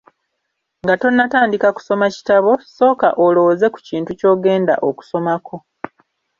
Nga tonnatandika kusoma kitabo, sooka olowooze ku kintu ky'ogenda okusomako.